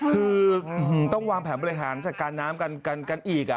คือต้องวางแผนบริหารจัดการน้ำกันอีก